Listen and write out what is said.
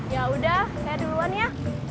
ya udah saya duluan ya